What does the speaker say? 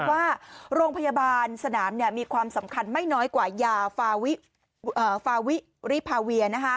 ว่าโรงพยาบาลสนามมีความสำคัญไม่น้อยกว่ายาฟาวิริพาเวีย